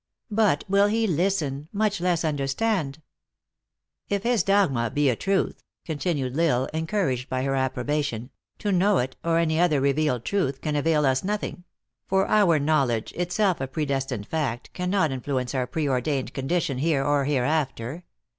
But will he listen, much less un derstand ?" u If his dogma be a truth," continued L Isle, en couraged by her approbation, "to know it, or any other revealed truth, can avail us nothing ; for our knowledge, itself a predestined fact, cannot influence our preordained condition here or hereafter.